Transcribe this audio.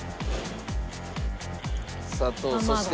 砂糖そして。